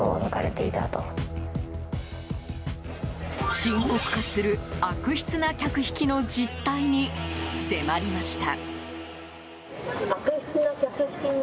深刻化する、悪質な客引きの実態に迫りました。